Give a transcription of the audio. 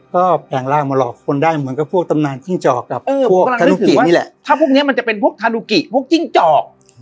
ก็แปลงร่างมาหลอกคนได้เหมือนกับพวกตำนานจิ้งจอกกับพวกทารุกินี่แหละถ้าพวกเนี้ยมันจะเป็นพวกทารุกิพวกจิ้งจอก